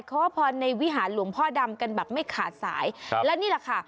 ขอพรในวิหารหลวงพ่อดำกันแบบไม่ขาดสายครับและนี่แหละค่ะ